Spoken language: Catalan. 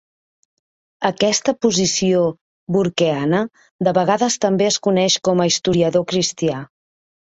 Aquesta posició burkeana de vegades també es coneix com a "historiador cristià".